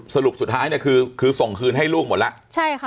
สรุปสุดท้ายเนี่ยคือคือส่งคืนให้ลูกหมดแล้วใช่ค่ะ